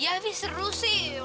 ya tapi seru sih